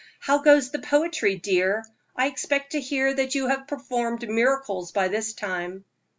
"How goes the poetry, dear? I expect to hear that you have performed miracles by this time."